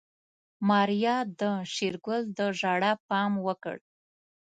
ماريا د شېرګل د ژړا پام وکړ.